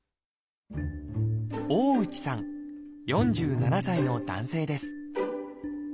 大内さん４７歳の男性です。